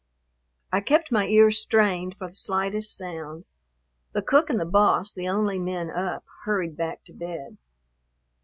I kept my ears strained for the slightest sound. The cook and the boss, the only men up, hurried back to bed.